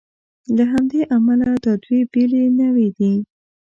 له همدې امله دا دوې بېلې نوعې دي.